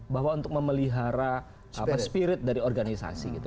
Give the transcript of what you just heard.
bahwa untuk memelihara spirit dari organisasi gitu